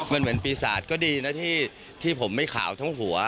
มันเหมือนปีศาจก็ดีนะที่ผมไม่ขาวทั้งหัว